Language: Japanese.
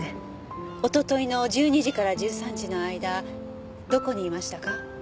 一昨日の１２時から１３時の間どこにいましたか？